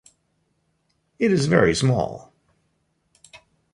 It is very small.